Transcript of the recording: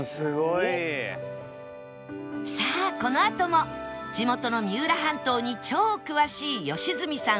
さあこのあとも地元の三浦半島に超詳しい良純さん